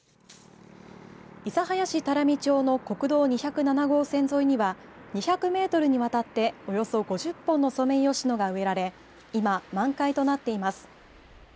諫早市多良見町の国道２０７号線沿いには２００メートルにわたっておよそ５０本のソメイヨシノが植えられ今、満開となっています。